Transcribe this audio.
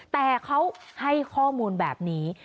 แต่เขาให้ข้อมูลแบบนี้